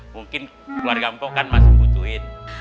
mungkin keluarga mpok kan masih butuhin